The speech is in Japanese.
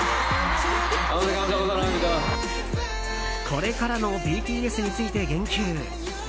これからのＢＴＳについて言及。